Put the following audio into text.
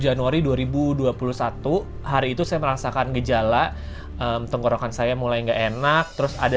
januari dua ribu dua puluh satu hari itu saya merasakan gejala tenggorokan saya mulai enggak enak terus ada